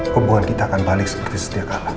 hubungan kita akan balik seperti setiap hari